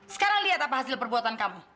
sekarang lihat apa hasil perbuatan kamu